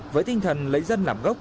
với tinh thần lãnh dân